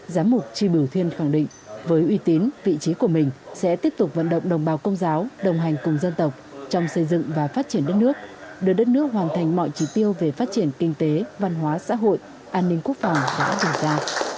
giám mục tri bửu thiên khẳng định với uy tín vị trí của mình sẽ tiếp tục vận động đồng bào công giáo đồng hành cùng dân tộc trong xây dựng và phát triển đất nước đưa đất nước hoàn thành mọi chỉ tiêu về phát triển kinh tế văn hóa xã hội an ninh quốc phòng đã đề ra